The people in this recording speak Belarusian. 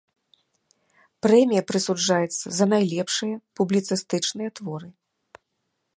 Прэмія прысуджаецца за найлепшыя публіцыстычныя творы.